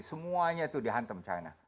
semuanya tuh dihantam china